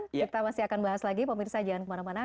kita masih akan bahas lagi pemirsa jangan kemana mana